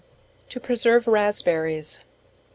To preserve Raspberries.